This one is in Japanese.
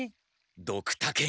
ドクタケに。